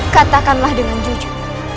katakanlah dengan jujur